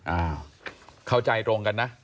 อ้าวเข้าใจตรงกันนะ